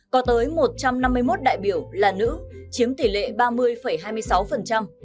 có tới một trăm năm mươi một đại biểu là nữ chiếm tỷ lệ ba mươi hai mươi sáu